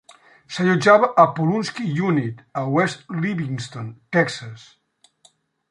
S"allotjava a Polunsky Unit a West Livingston, Texas.